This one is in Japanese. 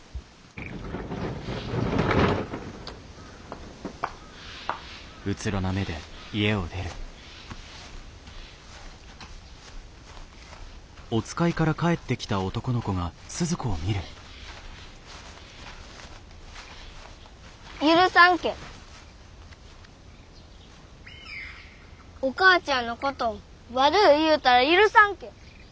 お母ちゃんのこと悪う言うたら許さんけん。